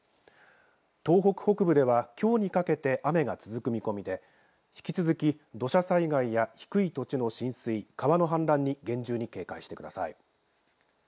東北北部ではきょうにかけて雨が続く見込みで引き続き土砂災害や低い土地の浸水川の氾濫に厳重に警戒してください。